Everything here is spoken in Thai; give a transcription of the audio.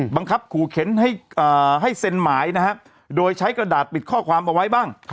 บังคับขู่เข็นให้๗หมายนะครับโดยใช้กระดาษปิดข้อความเอาไว้บ้าง